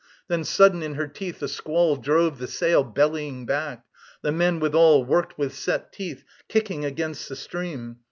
Then sudden in her teeth a squall Drove the sail bellying back. The men withal Worked with set teeth, kicking against the stream.